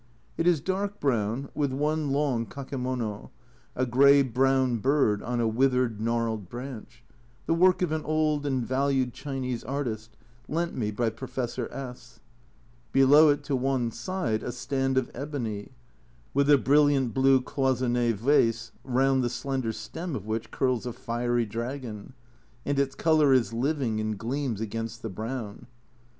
It is dark brown, with one long kakemono a grey brown bird on a withered, gnarled branch, the work of an old and valued Chinese artist (lent me by Professor S ); below it to one side a stand of ebony, with a brilliant blue cloisonne vase round the slender stem of which curls a fiery dragon, and its colour is living and gleams against the brown.